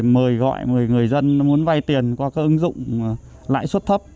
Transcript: mời gọi người dân muốn vay tiền qua các ứng dụng lãi suất thấp